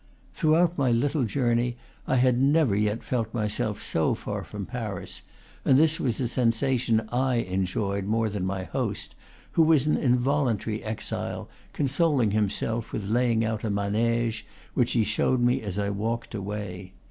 Throughout my little joumey I had never yet felt myself so far from Paris; and this was a sensation I enjoyed more than my host, who was an involuntary exile, consoling him self with laying out a manege, which he showed me as I walked away.